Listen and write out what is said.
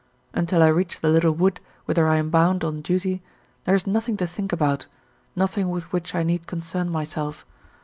Until I reach the little wood whither I am bound on duty there is nothing to think about, nothing with which I need concern myself.